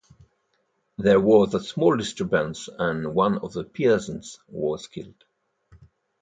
There was a small disturbance and one of the peasants was killed.